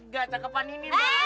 gak dakepan ini mbak